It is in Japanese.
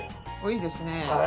いいですね。